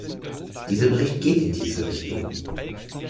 Dieser Bericht geht in diese Richtung.